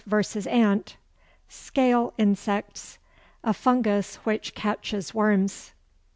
_ ant Scale insects A fungus which catches worms.